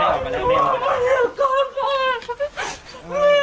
ไม่ค่อยราบลื้อเลย